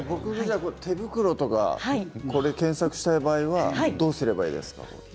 手袋とか検索したい場合は、どうしたらいいですか？